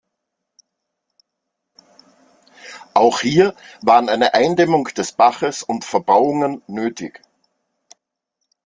Auch hier waren eine Eindämmung des Baches und Verbauungen nötig.